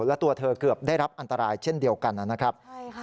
และตัวเธอเกือบได้รับอันตรายเช่นเดียวกันนะครับใช่ค่ะ